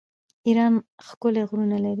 ایران ښکلي غرونه لري.